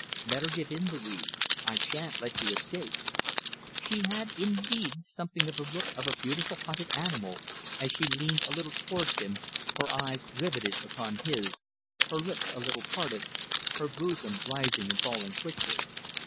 Better give in, Louise. I shan't let you escape." She had indeed something of the look of a beautiful hunted animal as she leaned a little towards him, her eyes riveted upon his, her lips a little parted, her bosom rising and falling quickly.